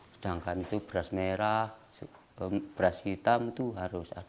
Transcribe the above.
sedangkan itu beras merah beras hitam itu harus ada